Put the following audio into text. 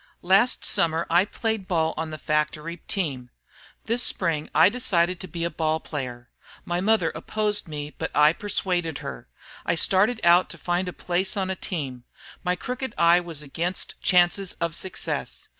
"Last Summer I played ball on the factory team. This Spring I decided to be a ball player. My mother opposed me, but I persuaded her. I started out to find a place on a team. My crooked eye was against chances of success.